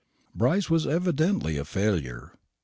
Brice was evidently a failure.